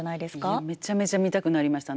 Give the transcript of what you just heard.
いやめちゃめちゃ見たくなりました。